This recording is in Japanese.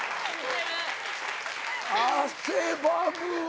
汗ばむわ。